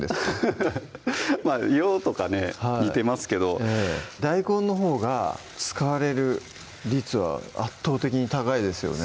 アハハハッ色とかね似てますけど大根のほうが使われる率は圧倒的に高いですよね